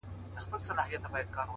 هره ستونزه پټ مهارت لري؛